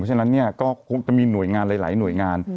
เพราะฉะนั้นก็คงจะมีหลายหน่วยงาน